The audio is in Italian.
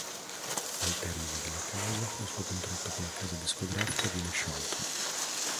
Al termine della causa il suo contratto con la casa discografica viene sciolto.